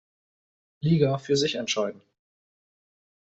Liga für sich entscheiden.